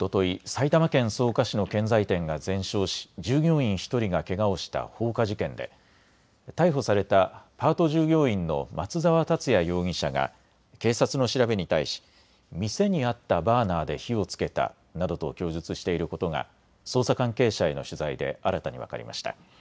埼玉県草加市の建材店が全焼し従業員１人がけがをした放火事件で、逮捕されたパート従業員の松澤達也容疑者が警察の調べに対し店にあったバーナーで火をつけたなどと供述していることが捜査関係者への取材で新たに分かりました。